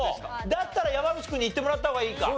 だったら山口君にいってもらった方がいいか。